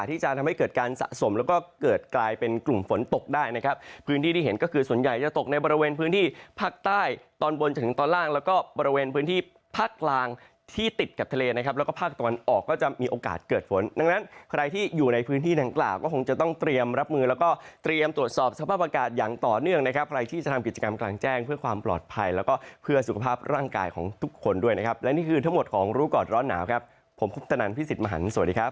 ที่ติดกับทะเลนะครับแล้วก็พักตอนออกก็จะมีโอกาสเกิดฝนดังนั้นใครที่อยู่ในพื้นที่ดังกล่าก็คงจะต้องเตรียมรับมือแล้วก็เตรียมตรวจสอบสภาพอากาศอย่างต่อเนื่องนะครับใครที่จะทำกิจกรรมกลางแจ้งเพื่อความปลอดภัยแล้วก็เพื่อสุขภาพร่างกายของทุกคนด้วยนะครับและนี่คือทั้งหมดของรู้กอดร้อนหนาวคร